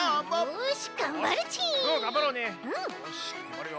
よしがんばるよ。